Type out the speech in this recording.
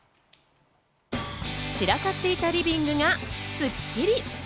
散らかっていたリビングがスッキリ！